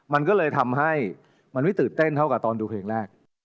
มันก็เลยทำให้มันไม่ตื่นเต้นเท่ากับตอนดูเพลงแรก